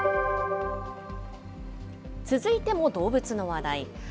続いても動物の話題。